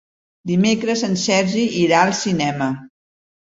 Dimecres en Sergi irà al cinema.